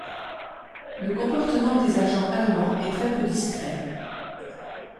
Le comportement des agents allemands est très peu discret.